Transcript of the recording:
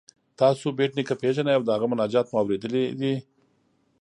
تاسو بېټ نیکه پيژنئ او د هغه مناجات مو اوریدلی دی؟